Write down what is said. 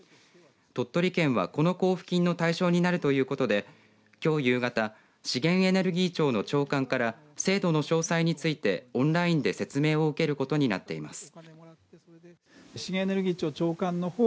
鳥取県は、この交付金の対象になるということできょう夕方資源エネルギー庁の長官から制度の詳細についてオンラインで説明を受けることになっています。